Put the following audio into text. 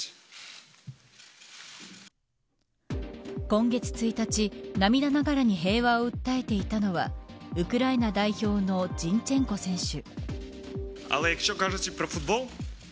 今月１日涙ながらに平和を訴えていたのはウクライナ代表のジンチェンコ選手。